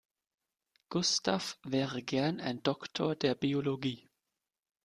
Gustav wäre gern ein Doktor der Biologie.